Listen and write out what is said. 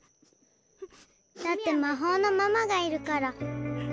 だって「まほうのママ」がいるから。